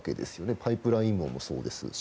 パイプライン網もそうですし。